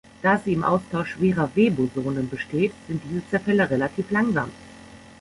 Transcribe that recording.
Da sie im Austausch schwerer W-Bosonen besteht, sind diese Zerfälle relativ langsam.